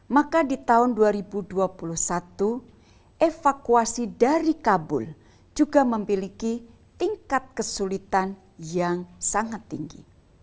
maka di tahun dua ribu dua puluh satu evakuasi dari kabul juga memiliki tingkat kesulitan yang sangat tinggi